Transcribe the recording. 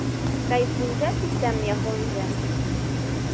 Kay punllapi tamiakunlla.